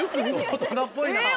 大人っぽいな。